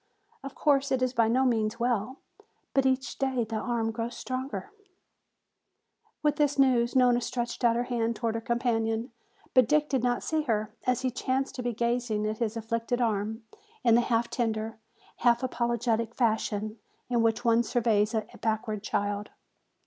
Of course, it is by no means well, but each day the arm grows stronger " With this news Nona stretched out her hand toward her companion. But Dick did not see her, as he chanced to be gazing at his afflicted arm in the half tender, half apologetic fashion in which one surveys a backward child.